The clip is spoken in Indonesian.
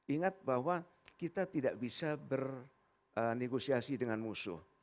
ingat bahwa kita tidak bisa bernegosiasi dengan musuh